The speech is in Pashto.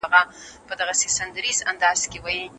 سهار وختي کار ته لاړ شئ.